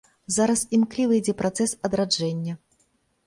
Зараз імкліва ідзе працэс адраджэння.